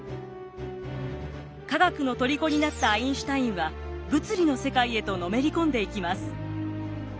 科学のとりこになったアインシュタインは物理の世界へとのめり込んでいきます。